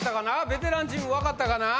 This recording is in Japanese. ベテランチーム分かったかな？